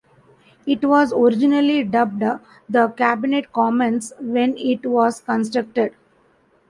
It was originally dubbed the "Cabinet Commons" when it was constructed.